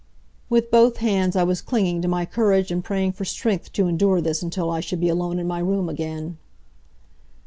With both hands I was clinging to my courage and praying for strength to endure this until I should be alone in my room again.